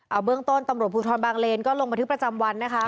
เอาเบื้องต้นตำรวจภูทรบางเลนก็ลงบันทึกประจำวันนะคะ